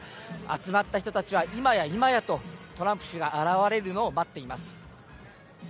集まった人たちは今や今やとトランプ氏が現れるのを待っています。